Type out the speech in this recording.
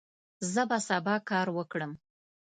زه به سبا کار وکړم.